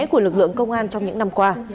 của lực lượng công an trong những năm qua